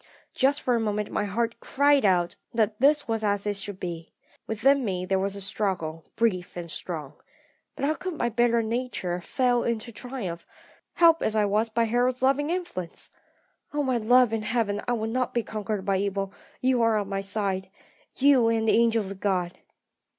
"Just for a moment my heart cried out that this was as it should be. Within me there was a struggle, brief and strong. But how could my better nature fail to triumph, helped as I was by Harold's loving influence? Oh, my love in heaven, I will not be conquered by evil; you are on my side you, and the angels of God!